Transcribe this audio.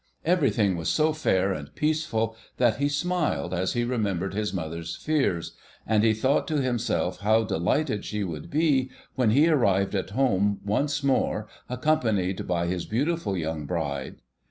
Everything was so fair and peaceful that he smiled as he remembered his mother's fears, and he thought to himself how delighted she would be when he arrived at home once more, accompanied by his beautiful young bride.